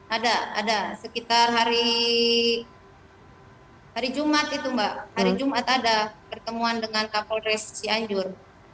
ada ada sekitar hari jumat itu mbak hari jumat ada pertemuan dengan kapolres cianjur